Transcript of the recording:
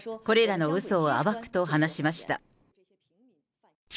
これらのうそを暴くと話しました。